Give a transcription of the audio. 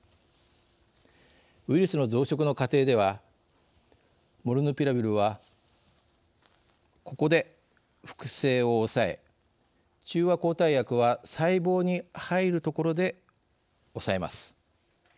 ウイルスの増殖の過程ではモルヌピラビルはここで複製を抑え中和抗体薬は細胞に入るところで抑えます。